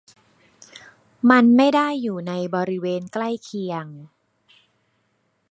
มันไม่ได้อยู่ในบริเวณใกล้เคียง